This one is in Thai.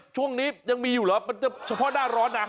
ช่วงนี้ยังมีอยู่เหรอมันจะเฉพาะหน้าร้อนนะ